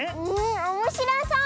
おもしろそう！